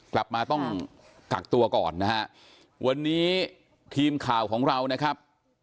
กลับมาต้องกักตัวก่อนนะฮะวันนี้ทีมข่าวของเรานะครับ